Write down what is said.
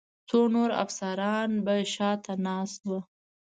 څو نور افسران به شا ته ناست ول.